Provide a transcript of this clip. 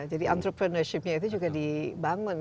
jadi entrepreneurship nya itu juga dibangun